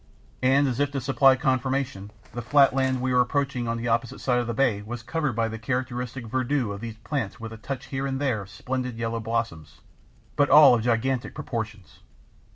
And as if to supply confirmation, the flat land we were approaching on the opposite side of the bay was covered by the characteristic verdure of these plants with a touch here and there of splendid yellow blossoms, but all of gigantic proportions.